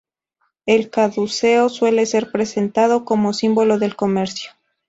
El caduceo suele ser presentado como símbolo del comercio.